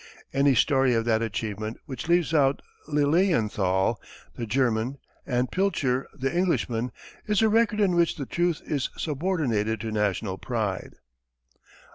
Any story of that achievement which leaves out Lilienthal, the German, and Pilcher, the Englishman, is a record in which the truth is subordinated to national pride.